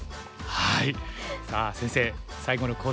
はい！